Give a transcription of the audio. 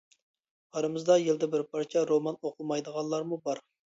ئارىمىزدا يىلدا بىر پارچە رومان ئوقۇمايدىغانلارمۇ بار.